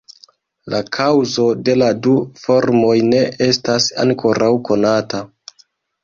La kaŭzo de la du formoj ne estas ankoraŭ konata.